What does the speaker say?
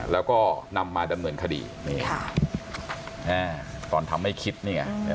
แล้วก็นำมาดำเนินคดีตอนทำให้คิดเนี่ย